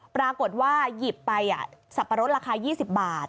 ปรากฏว่าหยิบไปสับปะรดราคา๒๐บาท